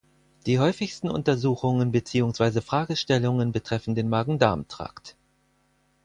Die häufigsten Untersuchungen beziehungsweise Fragestellungen betreffen den Magen-Darm-Trakt.